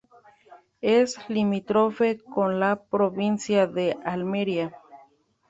Es limítrofe con la provincia de Almería.